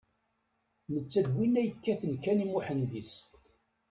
Netta d winna yekkaten kan i Muḥend-is.